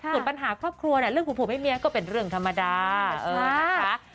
ส่วนปัญหาครอบครัวเนี่ยเรื่องผัวให้เมียก็เป็นเรื่องธรรมดานะคะ